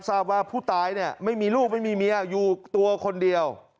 ทราบว่าผู้ตายเนี่ยไม่มีลูกไม่มีเมียอยู่ตัวคนเดียว